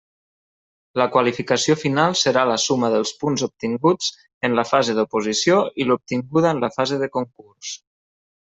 La qualificació final serà la suma dels punts obtinguts en la fase d'oposició i l'obtinguda en la fase de concurs.